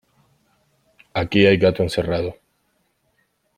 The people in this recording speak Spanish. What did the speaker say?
Aquí hay gato encerrado.